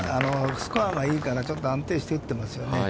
スコアがいいから、ちょっと安定して打っていますよね。